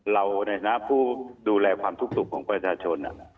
ในฐานะผู้ดูแลความทุกข์สุขของประชาชน